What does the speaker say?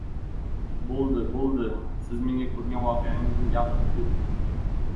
— Bo‘ldi, bo‘ldi. Siz menga ko‘rgan voqeangizni gapirib bering!